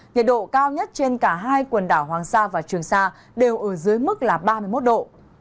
nhiệt độ cao nhất trên cả hai quần đảo hoàng sa và trường sa đều ở dưới mức là ba mươi một độ